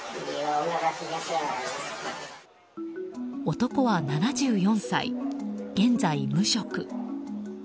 男は７４歳現在、無職。